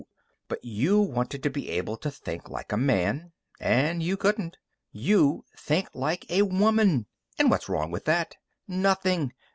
But you wanted to be able to think like a man, and you couldn't. You think like a woman! And what's wrong with that? Nothing!